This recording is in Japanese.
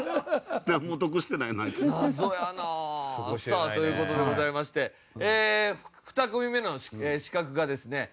さあという事でございまして２組目の刺客がですね